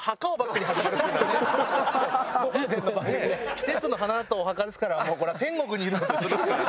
季節の花とお墓ですからもうこれは天国にいるのと一緒ですから。